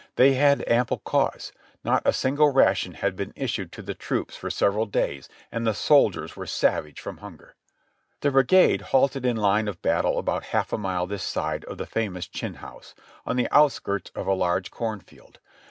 They had ample cause; not a single ration had been issued to the troops for several days and the sol diers were savage from hunger. The brigade halted in line of battle about half a mile this side of the famous Chinn House, on the outskirts of a large corn field.